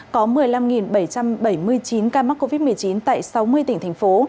có một mươi năm bảy trăm bảy mươi chín ca mắc covid một mươi chín tại sáu mươi tỉnh thành phố